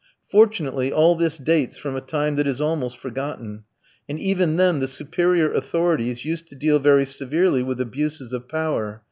Fortunately, all this dates from a time that is almost forgotten, and even then the superior authorities used to deal very severely with abuses of power.